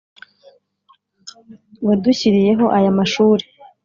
wadushyiriyeho aya mashuri